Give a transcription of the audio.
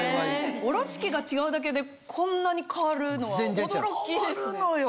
おろし器が違うだけでこんなに変わるのは驚きですね。